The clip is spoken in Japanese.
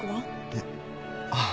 えっああ